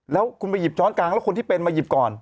แล้วคุณไปหยิบช้อนกลางแล้วคนที่เป็นมาหยิบก่อน